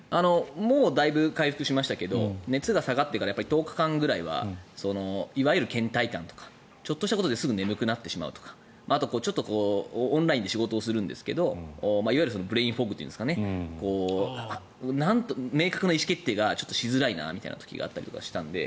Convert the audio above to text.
もうだいぶ回復しましたけど熱が下がってから１０日間ぐらいはいわゆるけん怠感とかちょっとしたことですぐ眠たくなってしまうとかあと、ちょっとオンラインで仕事をするんですけどいわゆるブレインフォグというんですかね明確な意思決定がしづらいなという時があったりしたので。